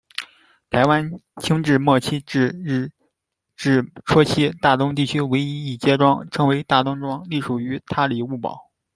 台湾清治末期至日治初期，大东地区为一街庄，称为「大东庄」，隶属于他里雾堡。